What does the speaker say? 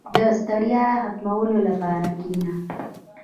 • د ستړیا ختمولو لپاره کښېنه.